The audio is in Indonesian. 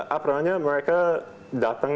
apalagi mereka datang